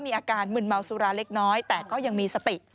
อาการมึนเมาสุราเล็กน้อยแต่ก็ยังมีสติ